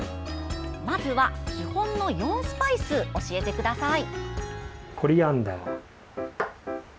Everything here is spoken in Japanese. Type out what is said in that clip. まずは基本の４スパイス教えてください。